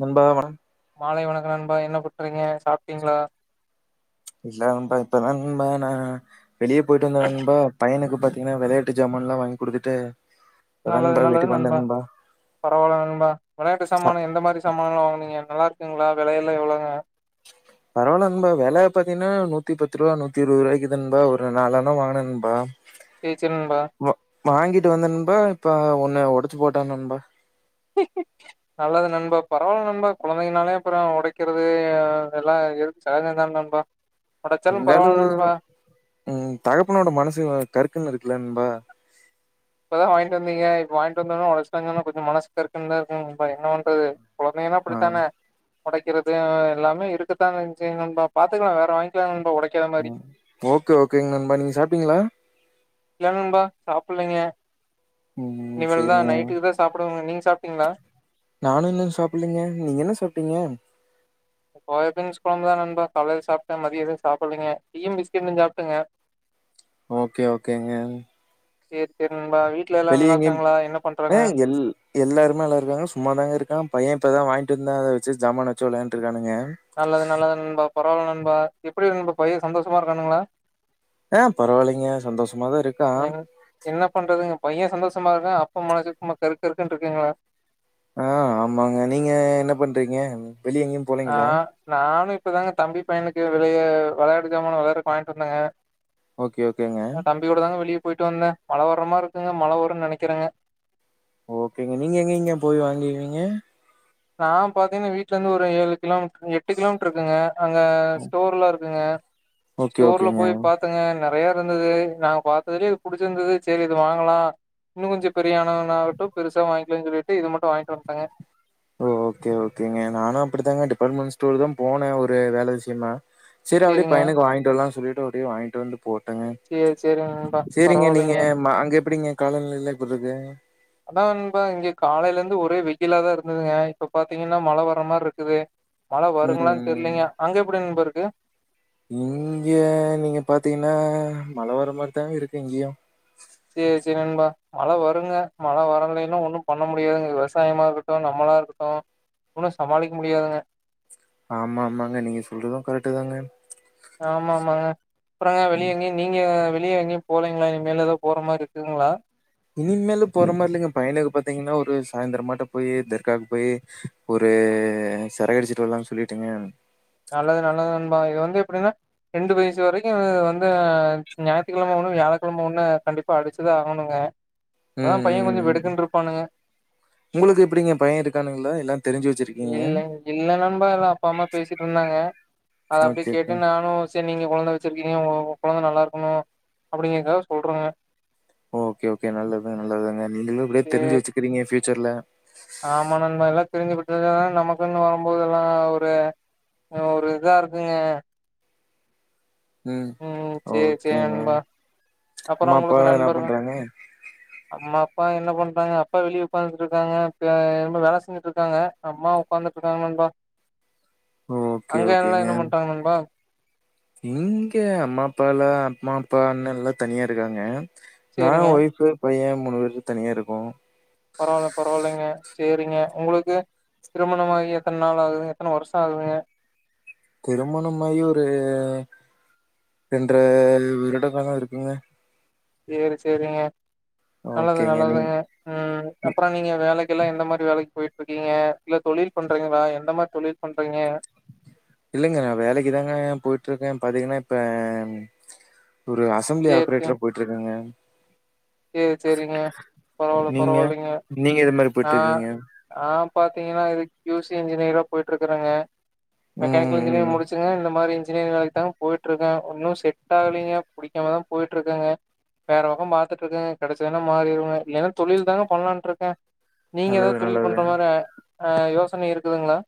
நண்பா வா மாலை வணக்கம் நண்பா என்ன பண்றீங்க சாப்பிட்டீங்களா இல்ல நண்பா இப்பதா நண்பா நா வெளியே போயிட்டு வந்த நண்பா பையனுக்கு பாத்தீங்கன்னா விளையாட்டு ஜாமான்லா வாங்கிகுடுத்துட்டு நல்லது நல்லது நண்பா பரவால்ல நண்பா விளையாட்டு ப சாமானு எந்த மாரி சாமானெல்லா வாங்குனீங்க நல்லா இருக் இருக்குங்களா விலை எல்லா எவ்வளோங்க பரவால்ல நண்பா வெல பாத்தீங்கன்னா நூத்தி பத்து ரூபா நூத்தி இருபது ரூபாய்க்கு தா நண்பா ஒரு நாலுனா வாங்குனே நண்பா செர் செரி நண்பா வா வாங்கிட்டு வந்தே நண்பா இப்ப ஒன்னு ஒடச்சி போட்டான் நண்பா நல்லது நண்பா பரவால்ல நண்பா கொழந்தைங்கனாலே அப்புறோ ஒடைக்கிறது அதெல்லா சகஜம் தா நண்பா உடைச்சாலும் இருந்தாலு பரவால்ல நண்பா உஹம் தகப்பனோட மனசு கருக்குன்னு இருக்கு இல்ல நண்பா இப்பதா வாங்கிட்டு வந்தீங்க இப்ப வாங்கிட்டு வந்தோன உடச்சுட்டான் சொன்னா மனசுக்கு கருக்குன்னு தா இருக்கோ என்னா பண்றது கொழந்தைங்கன்னா ஆ அப்படித்தானே ஒடைக்கிறது எல்லாமே இருக்கதான் செய்யும் நண்பா பாத்துக்கலாம் வேற வாங்கிக்கலாம் ஒடைக் ஓகே ஓகேங்க நண்பா நீங்க சாப்டீங்களா இல்ல நண்பா சாப்பிட்லங்க உம் சேரிங்க தான் சாப்பிடுவங்க நீங்க சாப்ட்டீங்களா நானும் இன்னு சாப்லீங்க நீங்க என்ன சாப்டீங்க சோயாபீன்ஸ் குழம்புதான் நண்பா காலைல சாப்டே மதிய எதுவு சாப்பிட்லைங்க டீயும் பிஸ்கெட்டும் சாப்டேங்க ஓகே ஓகேங்க சேரி சேரி நண்பா வீட்ல எல்லா வெளிய நல்லா எங்கயும் இருக்காங்களா என்ன பண்றாங்க எல் எல்லாருமே நல்லா இருக்காங்க சும்மாதாங்க இருக்காங்க பையன் இப்பதா வாங்கி அத வெச்சு சாமானா வெச்சு விளையாட்டு இருக்கானுங்க நல்லது நல்லது நண்பா பரவால்ல நண்பா எப்டி நண்பா பையன் சந்தோஷமா இருக்கானுங்களா ஆஹ் பரவாயில்லைங்க சந்தோஷமாதா இருக்கான் பையே சந்தோஷமா இருக்கா அப்பா மனசு சும்மா கருக் கருக்குன்னு இருக்கீங்களா ஆஹ் ஆமாங்க நீங்க என்ன பண்றீங்க வெளிய எங்கேயும் போலீங்களா? ஆஹ் நானு இப்பதாங்க தம்பி பையனுக்கு வெளிய விளையாட்டு ஜாமான விளையாட்றதுக்கு வாங்கிட்டு வந்தங்க ஓகே ஓகேங்க வெளிய போயிட்டு வந்த மழை வர்ற மார் ருக்குங்க மழ வருன் நெனக்கிறேங்க ஓகேங்க நீங்க எங்கங்க போய் வாங்குவீங்க நா பாத்தீங்னா வீட்லேந்து ஒரு ஏழு கிலோமீட்டர் எட்டு கிலோமீட்ருக்குங்க அங்க ஸ்டோர்ல இருக் குங்க ஓகே ஸ்டோர்ல ஓகேங்க. போய் பாத்துங்க நறைய இருந்துது நாங்க பாத்ததுலயே புடிச்சிருந்துது சேரி இது வாங்கலா இன்னு கொஞ்சொ பெரியவனானாவட்டு பெருசா வாய்ங்க்கிலான் சொல்லிட்டு இத மட்டு வாய்ண்ட்டு வன்ட்டங்க ஓ ஓகே ஓகேங்க நானு அப்டித்தாங்க டிபாட்மெண்ட் ஸ்டோர்தா போனே ஒரு வேல விஷ்யமா சேரி அப்டியே சேரிங்க பையனுக்கு வாய்ன்டு வரலான் சொல்லி ட்டு அப்டியே வாய்ன்ட்டு வந்து போட்டங்க சேரி சேரி நண்பா சேரிங்க நீங்க பரவால்லைங்க ம அங்க எப்டிங்க காலநிலைலா எப்புர்றுக்கு அதா நண்பா இங்க காலையிலேந்து ஒரே வெயிலாதா இருந்துதுங்க இப்ப பாத்தீங்கன்னா மழ வர்றா மார்ருக்குது மழ ம் வருங்லான் தெர்லீங்க அங்க எப்டி நண்பா இருக் கு இங்கெ நீங்க பாத்தீங்னா மழ வர்ற மாரிதாங்க இருக்கு இங்கியு சேர் நண்பா மழ வருங்க மழ வரலீனா ஒன்னும் பண்ண முடியாதுங் விவசாயமா இருக்கட்டு நம்மளா இருக்கட்டு ஒன்னு சமாளிக்க முடியாதுங்க ஆமா ஆமாங்க நீங்க சொல்றது கரெக்ட்டுதாங்க ஆமா ஆமாங்க அப்பறொங்க வெளிய எங்கயு நீங்க வெளிய எங்கயு போலீங்களா இனிமேலு எதா போற மார் ருக்குங்களா இனிமேலு போற மாரி இல்லிங்க பையனுக்கு பாத்தீங்கன்னா ஒரு சாய்ந்தரமாட்டொ போயி தர்காக்கு போயி ஒரு சர அடிச்சிட்டு வர்லான் சொல்லிட்டுங்க ஆ இது வந்து எப்புடின்னா ரெண்டு வயசு வரைக்கு நா வந்து ஞாயித்துக்கிழம ஒண்ணு வியாழக்கிழம ஒண்ணு கண்டிப்பா அடிச்சுதா ஆகணுங்க அப்பதான் ம் பையன் ம் கொஞ்சம் ம் வெடுக்குன்னு இருப்பானுங்க. உங்களுக்கு எப்டிங்க பைய இருக்கானுங்ளா எல்லா தெரிஞ்சி இல்லங் இல்ல நண்பா அப்பா அம்மா பேசிட்டு இருந்தாங்க அத அப்டியே ஓகே ஓகே. கேட்டு நானு சரி நீங்க கொழந்த வச்சிருக்கீங்க உங்க கொழந்த நல்லாருக்கணு அப்டிங்கறக்காக சொல்றங்க ஓகே ஓகே நல்லதுங் நல்லதுதாங்க நீங்களு இப்டியே சே தெரிஞ்சு வச்சுக்குறீங்க ஃபி ச்சர்ல ஆமா நண்பா [unintelligible] நமக்குன்னு வரம்போதெல்லா ஒரு அ ஒரு இதா இருக்குங்க ம் சேர் சேர் ஓகேங்க. நண்பா அப்பறோ அம்மா, உங்களுக்கு அப்பாலாம் என்ன நண்பர்கள் பண்றாங்க? அம்மா அப்பா என்ன பண்றாங்க அப்பா வெளிய உக்காந்துட்ருக்காங்க இப்ப என்னமோ வேல செஞ்சிட்ருக்காங்க அம்மா உக்காந்துட்டு இருக்காங்க நண்பா ஓகே அங்க எல்லா என்ன பண்றாங்க நண்பா இங்கெ அம்மா அப்பாலா அம்மா அப்பா அண்ண எல்லா தனியா இருக்காங்க நா சேரிங்க ஒய்ஃபு பைய மூணு பேரு தனியாருக்கோ பரவால்ல பரவால்லைங்க சேரிங்க உங்களுக்கு திருமணமாகி எத்தன் நாள் ஆவுது எத்தன வர்ஷொ ஆகுதுங்க திருமணம்மாயி ஒரூ ரெண்ட்ர வருட காலொ இருக்குங்க சேரி சரிங்க நல்லது ஓகேங்க. நீ நல்லதாங்க ம்ஹ் அப்ரோ நீங்க வேலைக் எல்லாம் எந்த மாரி வேலைக் போயிட்டு இருக்கீங்க இல்ல தொழில் பண்றீங்களா எந்த மாரி தொழில் பண்றீங்க இல்லிங்க வேலைக்குதாங்க போயிட்டு இருக்க பாத்தீங்கன்னா இப்ப ஒரு அசம்பளி ஆப்ரேட்டரா போயிட்டு இருக்கங்க சேர் சேரிங்க பரவால நீங்க? பரவாலீங்க நீங்க எது மாரி ஆஹ் போயிட்டுருக்கீங்க? ஆஹ் பாத்தீங்கன்னா இது கியூசி இன்ஜினியரா போயிட்டிருக்கறங்க ம், மெக்கானிக்கல் ம், ம். இன்ஜினியரிங் முடிச்சுங்க இந்த மாரி ன்ஜினயரி்ங் வேலைக்குத் தா போயிட்டு இருக்கோ ஒன்னு செட் ஆகலீங்க பிடிக்காமதா போயிட்டு இருக்கேங்க வேற பக்கம் பாக் த்துட்டு இருக்க கெடச்சதுனா மாறிடுவ இல்லன்னா தொழில் தாங்க பண்ணலான்ட்டுருக்க நீங்க நல்லது, ஏதாவ்த் தொழில் நல்லது. பண்ற மாரி அ ஆஹ் யோசனை இருக்குதுங்களா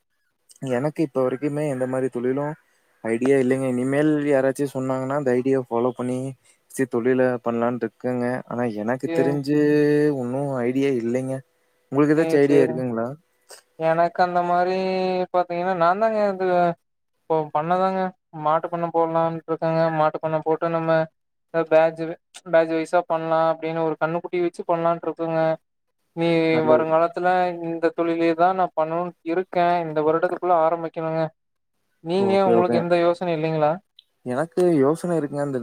எனக்கு இப்போ வரைக்குமே எந்த மாரி தொழிலு ஐடியா இல்லேங்க இனிமேல் யாராச்சு சொன்னாங்கன்னா அந்த ஐடியா ஃபாலோ பண்ணி செர் தொழில பண்ணலான்றிருக்கேங்க ஆனா எனக்கு சேரிங் தெரிஞ்சு ஒன்னு ஐடியா இல்லங்க செரிங் சேரிங் எனக்கு அந்த மாரி ம் பாத்தீங்கன்னா நான் தாங்க ந்து இப்ப பண்ணதாங்க மாட்டுப்பண்ண போடலான்ட்டு இருக்கேங்க மாட்டுப்பண்ண போட்டு நம்ம பாஜ்ஜிது ப்ச் பாஜ் வய்சா பண்ணலா அப்படின்னு ஒரு கண்ணு குட்டி வச்சு பண்ணலான்ட்டு இருக்குங்க நீ மத் நல்லது. வருங்காலத்துல இந்தக் தொழிலே த நா பண்ணுன்ட் இருக்க இந்த வருடத்துக்குள்ள ஆரம்பிக்கணுங்க நீங்க ஓகே ஓகே உங்களுக்கு எந்த யோசனை இல்லைங்களா? எனக்கு யோசன இருக்குங்க இந்த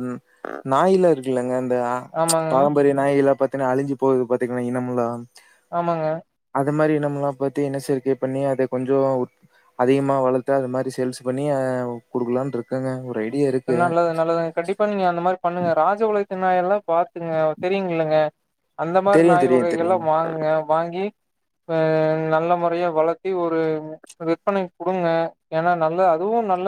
நாயிலா இருக் க்குல்லங்க ரா ஆமாங்க, பாரம்பரிய நாயிகளப் பத் த்தன அழி்ஞ்சி போது பாத்தீங்கன்னா இனமுல்லா ஆமாங்க அது மாதிரி நம்மல்லா பார்த்தி இனச்சேர்க்கை பண்ணி அத கொஞ்சோ அதிகமா வளர்த்து அது மாரி சேல்ஸ் பண்ணி ஆஹ் குடுக்கலான்ட்டு இருக்கேங்க ஒரு ஐடி சேர் நல்லது நல்லது கண்டிப்பா நீங்க அந்த மாரி பண்ணுங்க ராஜவுளை க்க நாய் எல்லாம் பாத்துங்க தெரியு இல்லங்க அந்த மாரி தெரியு நாய் தெரியு வகைகள் தெரியு. ல்லாம் வாங்குங்க வாங்கி ஆஹ் நல்ல முறையா வளத்தி ஒரு விற்பனைக்கு குடுங்க ஏனா நல்ல அதுவு நல்ல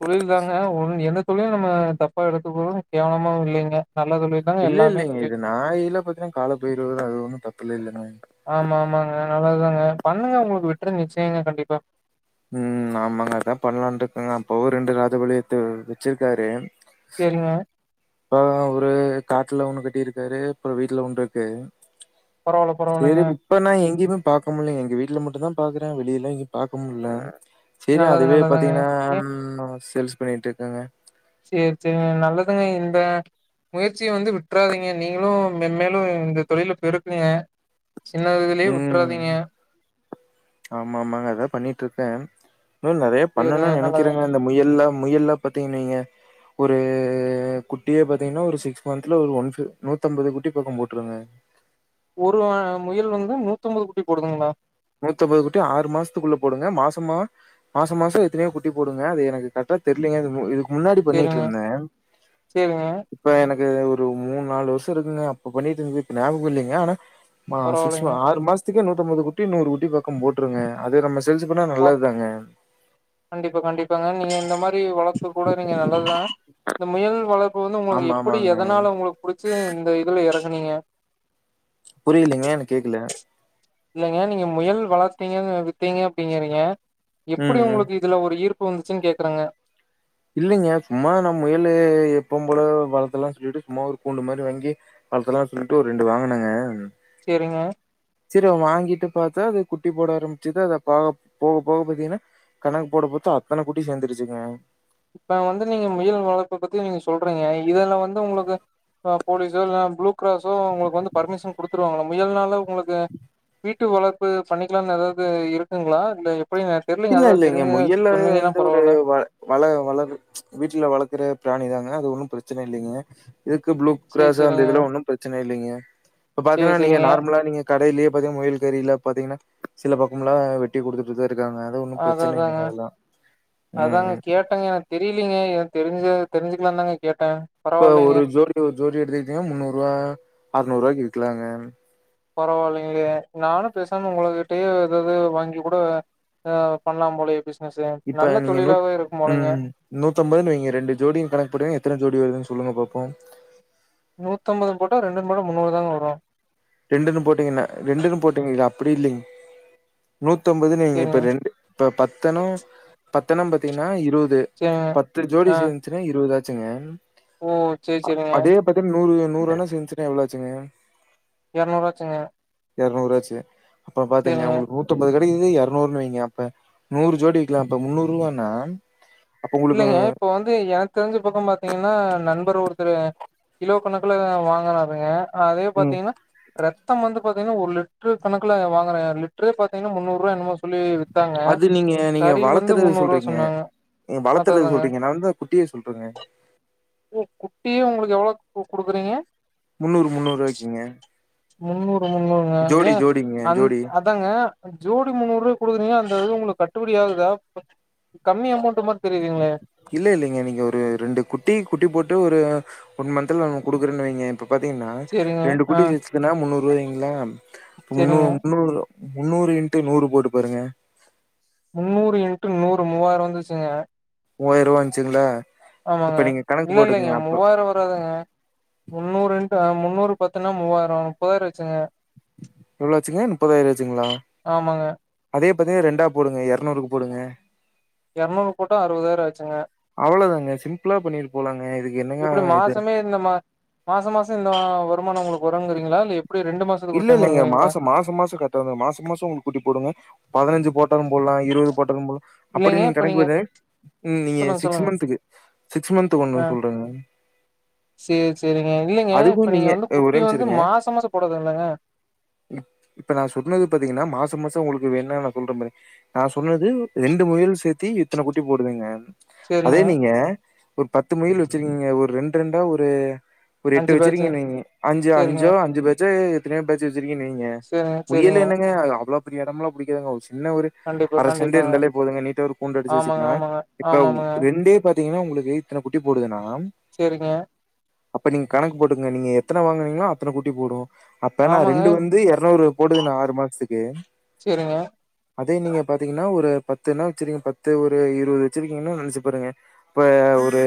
தொழில் தாங்க ஒரு எந்தத் தொழிலும் நம்ம தப்பா எடுத்துக்கறோம் கேவலமாவு இல்லைங்க நல்ல தொழில் தாங்க இல்ல எல்லாமே இல்லங்க இது தொழில். நாயில்லா பாத்தீங்கன்னா கால பைரவர் அது ஒன்னும் தப்பு இல்ல இல்லன்னா ஆமா, ஆமாங்க. நல்லதுதாங்க பண்ணுங்க உங்களுக்கு வெட்றி நிச்சயங்க கண்டிப்பா உம் ஆமாங்க அதான் பண்ணலான்றிருக்கங்க அப்பாவு ரெண்டு ராதபளியத்த வச்சிருக்காரு சரிங்க. அப்பா ஒரு காட்டுல ஒண்ணு கட்டியிருக்காரு அப்ற வீட்ல ஒண்ணுருக்கு பரவால்ல, சரி பரவால்லங்க. இப்ப நா எங்கயுமே பாக்க முட்லங்க எங்க வீட்டுல மட்டுந்தா பாக்குறே வெளியிலல்லா எங்கயுமே பாக்க முட்ல சரி நல்லது, அதுவே நல்லதுங்க. பாத்தீங்கன்னா அம் சேல்ஸ் பண்ணிட்டு இருக்கேங்க சேரி சேரிங்க நல்லதுங்க இந்த முயற்சிய வந்து விட்றாதீங்க நீங்களும் மெம்மேலு இந்த தொழில பெருக்குங்க சின்னதுலயே உம் விட்றாதீங்க ஆமா ஆமாங்க அதா பண்ணிட்ருக்கே இன்னு நெறைய சேரிங்க பண்ணலானு நல்லது நெனைக்கிறேங்க இந்த முயல்லா முயல்லா பாத்தீங்கன்னீங்க ஒரு குட்டியே பாத்தீங்கன்னா ஒரு சிக்ஸ் மந்த்ல ஒரு ஒன் நூத்தம்பது குட்டி பக்க போட்டிருங்க ஒரு முயல் வந்து நூத்தோம்பது குட்டி போடுதுங்களா நூத்தம்பது குட்டி ஆறு மாசத்துக்குள்ள போடுங்க மாசமா மாச மாசம் எத்தனையோ குட்டி போடுங்க அது எனக்கு கரொக்டா தெரியலியோ என்னமோ முன்னாடி சேரிங்க பண்ணிட்ருந்தே சேரிங்க இப்ப எனக் ஒரு மூணு நாலு வருஷம்க்குங்க அப்ப பண்ணிட்டு இருந்தது இப்ப ஞாபக இல்லைங்க ஆனா ஆ சிக்ஸ்மா பரவாயில்லைங்க ஆறு மாச் [unintelligible] நூததம்பது [unintelligible] நூறு ஊட்டி பக்கம் போட்டுருங்க அதே நம்ம சேல்ஸ் பண்ணா பா நல்லது தாங்க. கண்டிப்பா கண்டிப்பாங்க நீங்க இந்த மாதிரி வளபு கூட நீங்க நல்லதுதா இந்த முயல் வளர்ப் வந்து உங்களுக்கு ஆமா எப்டி ஆமாங்க. எதனால உங்களுக்கு பிடிச்சு இந்த இதுல எறங்க சொன்னீங்க புரியலீங்க என கேக்குல இல்லைங்க நீங்க முயல் வளத்தீங்க வித்தீங்கப் டிங்கிறீங்க ம், எப்படி ம். உங்களுக்கு இதுல ஒரு ஈ்ர்ப் ப்ப வந்துச்சுன் கேக்குறாங்க இல்லைங்க சும்மா நம் முயலு எப்பவு போல வளத்தலா சொல்லிட்டு சும்மா ஒரு கூண்டு மாரி வாங்கி வளர்த்தலாம்னு சொல்லிட்டு ஒரு ரெண்டு வாங்கனங்க சரிங்க சரி அவ வாங்கிட்டு பாத்தா அது குட்டி போட ஆரம்பிச்சுது அத ப போக போக போக பாத்தீங்கன்னா கணக்கு போட பாத்தா அத்தன குட்டி சேந்துருச்சுங்க இப்போ வந்து நீங்க முயல் வளர்ப்பு பத்தி நீங்க சொல்றீங்க இதல வந்து உங்களுக்கு ப போலீஸோ இல் ப்ளூ கிராஸோ உங்களுக்கு வந்து பர்மிஷன் கொடுத்துருவாங்கள முயல்னால உங்களுக்கு வீட்டு வளர்ப்பு பண்ணிக்கலாம்னு எதாவது இருக்குங்களா இல்லை எ இல்ல இல்ல இங்க முயல்லு வந்து ஒரு பரவால்ல வ வள வள வீட்டுல வளக்குற பிராணி தாங்க அது ஒன்னு பிரச்சனை இல்லைங்க இதுக்கு ப்ளூ சேரி கிராஸ் அந்த சேரிங்க இதெலா ஒன்றும் பிரச்சனை இல்லைங்க இப்போ சேரி பாத்தீங்கன்னா நீங்க சேரிங்க நார்மலாக நீங்க கடையிலேயே பாத்தீங்கன்னா முயல் கறியில பாத்தீங்கன்னா சில பக்கம்லா வெட்டி குடுத்துட்டுதா இருக்காங்க அது ஒண்ணும் பிரச்சனை அததாங்க இல்லைங்க அதெல்லாம். ம். அதாங்க கேட்டேங்க எனக்கு தெரியலீங்க என தெரிஞ்ச தெரிஞ்சிக்கலா தாங்க கேட்டே இப்ப பரவாயில்லைங்க ஒரு ஜோடி ஒரு ஜோடி எடுத்துக்கிட்டீங்க முன்னூறு ரூபா அத இரநூறுபாய்க்கு விக்கலாங்க பரவாயில்லைங்களையே நானு பேசாம உங்களகிட்டயே ஏதாவது வாங்கி கூட அஹ் பண்ணலா போலயே பிஸ் இப்ப நீங்க நூத் உம் நூத்தம்பதுனு வைங்க ரெண்டு ஜோடி கணக்குப்படுவங்க எத்தன ஜோடி வருதுனு சொல் சொல்லுங்க பாப்போம் நூத்தன்ம்பது போட்டா ரெண்டு போட்டம் முன்னூறு தாங்க வரும் ரெண்டுன்னு போட்டீங்கன்னா ரெண்டுன்னு போட்டீங்க இ அப்படி இல்லைங் நூத்தம்பதுனு வைங்க இப்ப சேரிங்க ரெண்டு இப்ப பத்தனம் பத்தனம் பாத்தீங்கன்னா இருபது சேரிங்க. பது பத்து ஜோடி ஆ சேர்ந்துசுன்னா இருபது ஆச்சு சிங்க ஓ சேரி அ சேரிங்க. அதே பாத்தீங்கன்னா நூறு நூறனம் சேந்துச்சுன்னா எவ்ளவு செரிங்க இரநூறு ஆச்சுங்க இரநூறு ஆச்சு அப்புறோ பாத்துக்கோங்க உங்களுக்கு நூத்தம்பது இப்ப இது இரநூறுனு வைங்க அப்ப நூறு ஜோடி விக்கலாம் அப்ப முன்னூறு ரூவானா இல்லைங்க இப்ப வந்து எனக்கு தெரிஞ்ச பக்கம் பாத்தீங்கன்னா நண்பர் ஒரு குடுக்கறா கிலோ கணக்குல வாங்குறானுங்க ஆஹ் அதே ம் பாாரத்தீங்கன்னா ரத் மொத்தம் வந்து பாத்தங்கன்னா ஒரு லிட்டரு கணக்கல வாங்கறேன் லிட்டரே பாத்தீங்கன்னா முன்னூறுபா என்னமோ சொல்லி வித்தாங்க அது நீங்க நீங்க கறி வந்து வளர்த்துறது முன்னூறு ரூபா சொல்றீங்க. சொன்னாங்க நீங்க அதா வளத்துறத அதாங்க. சொல்றீங்க நான் வந்தா குட்டியே சொல்றேங்க ஓ குட்டியே உங்களுக்கு எவ்வளோக்கு கு குடுக்குறீங்க முன்னூறு முன்னூறு வாய்க்கீங்க முன்னூறு முன்னூறுங்க ஏன் அந்த ஜோடி. அதாங்க ஜோடி முன்னூறு ரூபாய்க்கு கொடுக்குறீங்க அந்த அதாது உங்களுக்கு கட்டுப்படிாயாகுதா கம்மி அமௌண்ட் மாறி இல்ல இல்லைங்க நீங்க ஒரு ரெண்டு குட்டி குட்டி போட்டு ஒரு ஒன் மந்தல நம்ம கொடுக்கறன்னு வைங்க இப்ப பாத்தீங்கன்னா சேரிங்க. ரெண்டு ஆ குட்டி வச்சதுன்னா முன்னூறு ரூபாயங்களா முன்னு சேரிங்க. முன்னூறு முந்நூறு ண்டு நூறு போட்டு பாருங்க முந்நூறு ண்டு நூறு மூவாயிரம் வந்துருச்சுங்க மூவாயிர ரூபா வந்துச்சுங்களா ஆமாங்க இப்ப நீங்க கணக்கு இல்ல இல்லங்க போட்டுக்கங்க. அப்ப மூவாயிரம் வராதுங்க முன்னூறு ண் முந்நூறு பத்துன்னா மூவாயிரம் முப்பதாயிரம் ஆசிங்க எவ்ளோ ஆச்சுங்க முப்பதாயிரம் ஆச்சுங்களா ஆமாங்க அதே அதே ரெண்டா போடுங்க இரநூறுக்கு போடுங்க இரநூறு போட்டா அறுவதாயிரம் ஆச்சுங்க இவ்வளதாங்க சிம்பிளா பண்ணிட்டு போலாங்க இதுக்கு என்னங்க இப்படி இது? மாசமே இந்த மா மாசம் மாசம் இந்த வருமானம் உங்களுக்கு உறங்குறீங்களா இல்ல இப் இல்ல இல்லைங்க மாசம் மாசம் மாசம் கட்ட மாசம் மாசம் உங்களுக்கு கூட்டி போடுங்க பதினஞ்சு போட்ட பத்தும் போடலாம் இருபது போட்ட போலாம் அப்படி இல்லைங்க நீங்க இப்ப கணக்கு போ நீங்க சொல்லுங்க சிக்ஸ் சொல்லுங்க மந்துக்கு சிக்ஸ் மந்த் ஆ ஒண்ணு சொல்றங்க சேரி சேரிங்க இல்லங்க இப்ப நீங்க வந்து குட்டி ஒரே நிமிஷம் வந்து இருங்க. மாச மாசம் போடறதுங்கலா இப்ப நா சொன்னது பாத்தீங்கன்னா மாச மாசம் உங்களுக்கு இதுல என்னானு நா சொல்ற பாருங்க நா சொன்னது ரெண்டு முயல் சேத்தி இத்தன குட்டி போடுதுங்க அதே சேரிங்க நீங்க ஒரு பத்து முயல் வச்சிருக்கீங்க ஒரு ரெண் ரெண்டா ஒரு ஒரு எட்டு அஞ்சு பேட்ச்சு வச்சிருக்கீங்க நீங்க அஞ்சு சேரிங்க அஞ்சோ அஞ்சு பேட்சா திரியாம் பேசீஸ் [unintelligible] சரிய நீங்க சேரிங்க முயல் சேரிங்க என்னங்க அ அவ்வளோ இடமெல்லாம் புடிக்காதுங்கோ என்ன ஒரு கண்டிப்பா அரசென்டு கண்டிப்பாங்க இருந்தாலே போதுங்க நீட்டா ஒரு கூண்டு அடிச்சி ஆமாங்க வச்சிக்கலா ஆமாங்க இப்ப ஆமாமாங்க ரெண்டே ப திங்என்னா உங்களுக்கு இத்தன குட்டி போடுதுனா சரிங்க அப்ப நீங்க கணக்கு போட்டுக்கோங்க நீங்க எத்தன வாங்குவீங்களோ அத்தன குட்டி போடும் அப்பனா ஆமாங்க ரெண்டு வந்து இரநூறு போடுதுன்னா ஆறு மாசத்துக்கு சேரிங்க அதே நீங்க பாத்தீங்கன்னா ஒரு பத்துன்னா வச்சிருகீங்க பத்து ஒரு இருவது வச்சிருக்கீங்கன்னா நெனச்சி பாருங்க இப்ப ஒரு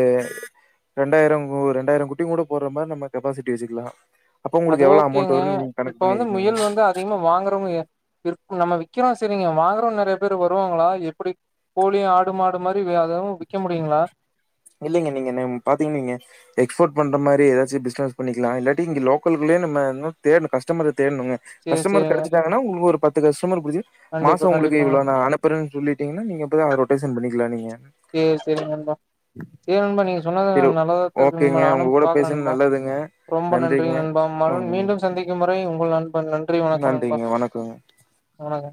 ரெண்டாயிரம் ஒரு ரெண்டாயிரம் குட்டிங்க கூட போட்ற மாரி நம்ம கெப்பாசிட்டி வச்சுக்கலா அப்போ உங்களுக்கு எவ்வளோ அமோன்ட் அ இப்ப வந்து முயல் வந்து அதிகமா வாங்குறவங்க ஏ இருக் நம்ம விக்கிறோ சரிங்க வாங்கறவங்க நெறைய பேரு வருவாங்களா எப்படி கோழி ஆடு மாடு மாரி அதுவும் முடியுங்களா? இல்லைங்க நீங்க பாத்தீங் நீங்க எக்ஸ்போர்ட் பண்ற மாரி ஏதாச்சி பிஸ்னஸ் பண்ணிக்கலா இல்லாட்டி இங்க லோக்கல்குள்ளேயே நம்ம இன்னும் தேடன்னு கஸ்டமர் இரு தேட்ணுங்க சரி, கஸ்டமர் சரிங்க. கெடச்சிட்டாங்கன்னா உங்களுக்கு ஒரு பத்து தில்ளோஸ் [unintelligible] கஸ்டமர் புடிச்சி மாச கண்டிப்பா, உங்களுக்கு கண்டிப்பாங்க. இவளோ நா அனுப்புறேன்னு சொல்லிட்டீங்கன்னா நீங்க இப்பவே ரொட்டேஷன் பண்ணிக்கலா நீங்க சரி நண்பா சரி நண்பா நீங்க சொன்னது சரி நல்லதா தா இருக்குது நண்பா ஓகேங்க உங்க நானும் கூட பாக்குற பேசுனது நண்பா நல்லதுங்க ரொம்ப நன்றி நன்றிங்க நண்பா மறு ம் மீண்டும் சந்திக்கும் வரை உங்கள் நண் பன் நன்றி வணக்கம் நன்றிங்க வணக்கங்க நண்பா